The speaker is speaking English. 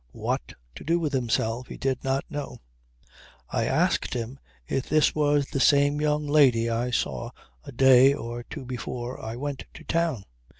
What to do with himself he did not know! I asked him if this was the same young lady I saw a day or two before I went to town?